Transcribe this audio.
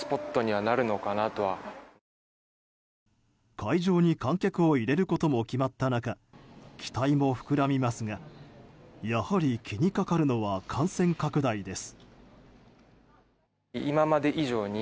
会場に観客を入れることも決まった中期待も膨らみますがやはり気にかかるのは感染拡大です。